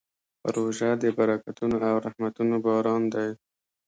روژه د برکتونو او رحمتونو باران دی.